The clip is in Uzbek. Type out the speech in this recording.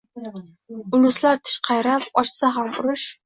Uluslar tish qayrab, ochsa ham urush –